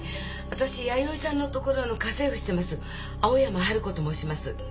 私弥生さんのところの家政婦してます青山春子と申します。